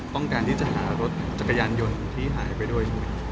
ต้องการที่จะหารถจักรยานยนต์ที่หายไปด้วย